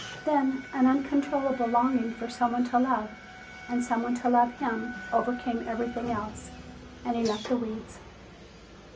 Then an uncontrollable longing for someone to love and someone to love him overcame everything else and he left the weeds.